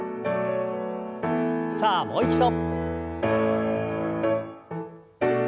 さあもう一度。